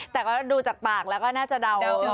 แต่ก็ดูจากปากแล้วก็น่าจะเดา